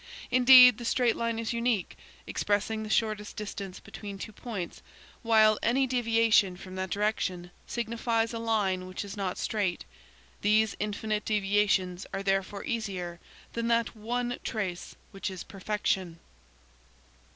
Indeed, the straight line is unique, expressing the shortest distance between two points, while any deviation from that direction signifies a line which is not straight. These infinite deviations are therefore easier than that one trace which is perfection.